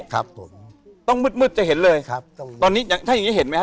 ครับผมต้องมืดมืดจะเห็นเลยครับตรงนี้ตอนนี้ถ้าอย่างงี้เห็นไหมฮ